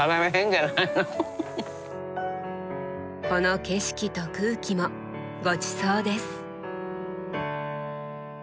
この景色と空気もごちそうです。